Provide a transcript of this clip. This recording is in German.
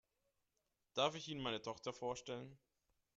Darf ich Ihnen meine Tochter vorstellen?